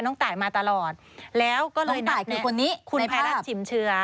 น้องตายมาตลอดแล้วก็เลยนับคุณไพรัสฉีมเชื้อ